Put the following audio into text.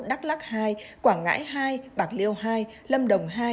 đắk lắc hai quảng ngãi hai bạc liêu hai lâm đồng hai